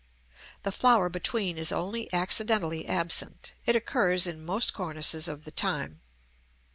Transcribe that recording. (The flower between is only accidentally absent; it occurs in most cornices of the time.)